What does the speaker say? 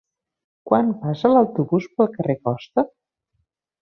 Quan passa l'autobús pel carrer Costa?